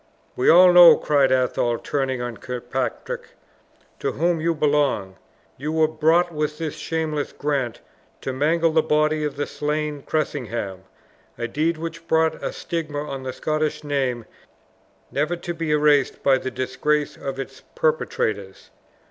"We all know," cried Athol, turning on Kirkpatrick, "to whom you belong. You were brought with this shameless grant to mangle the body of the slain Cressingham; a deed which brought a stigma on the Scottish name never to be erased by the disgrace of its perpetrators.